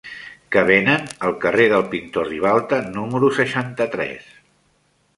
Què venen al carrer del Pintor Ribalta número seixanta-tres?